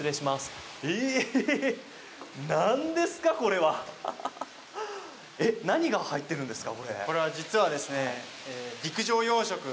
何ですか、これは？何が入っているんですか？